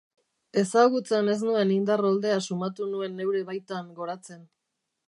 Ezagutzen ez nuen indar oldea sumatu nuen neure baitan goratzen.